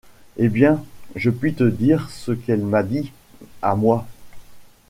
Eh bien! je puis te dire ce qu’elle m’a dit, à moi.